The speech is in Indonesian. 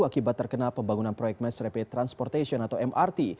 akibat terkena pembangunan proyek mass rapid transportation atau mrt